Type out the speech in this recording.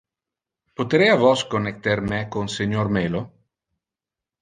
Poterea vos connecter me con senior Melo?